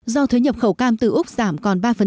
do thuế nhập khẩu cam từ úc giảm còn ba